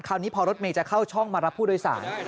คราวนี้พอรถเมย์จะเข้าช่องมารับผู้โดยสาร